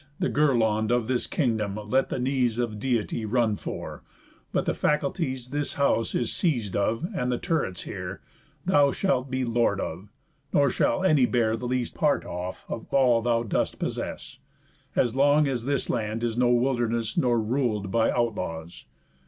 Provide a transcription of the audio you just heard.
The girlond of this kingdom let the knees Of Deity run for; but the faculties This house is seis'd of, and the turrets here, Thou shalt be lord of, nor shall any bear The least part off of all thou dost possess, As long as this land is no wilderness. Nor rul'd by out laws.